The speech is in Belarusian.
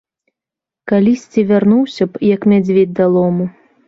Калісьці вярнуўся б, як мядзведзь да лому.